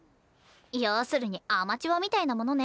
要するにアマチュアみたいなものね。